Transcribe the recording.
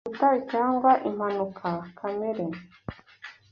ubutayu, cyangwa impanuka kamere